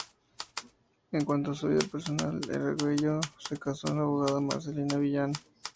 En cuanto a su vida personal, Argüello se casó con la abogada Marcela Millán.